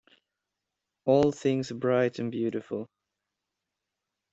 All things bright and beautiful.